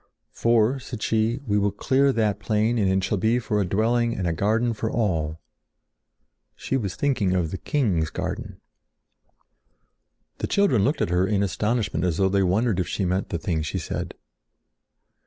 "For," said she, "we will clear that plain, and it shall be for a dwelling and a garden for all." She was thinking of the king's garden. The children looked at her in astonishment as though they wondered if she meant the thing she said.